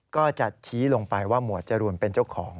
ก็จะชี้ลงไปว่าหมวดจรูนเป็นเจ้าของ